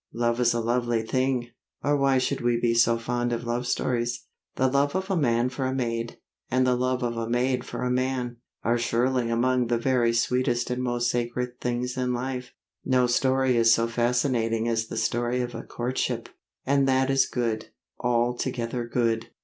Love is a lovely thing, or why should we be so fond of love stories? The love of a man for a maid, and the love of a maid for a man, are surely among the very sweetest and most sacred things in life. No story is so fascinating as the story of a courtship. And that is good, altogether good.